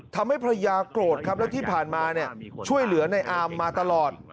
ทำให้ภรรยาโกรธครับแล้วที่ผ่านมาช่วยเหลือในอามมาตลอด